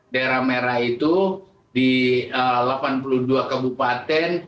daerah merah itu di delapan puluh dua kabupaten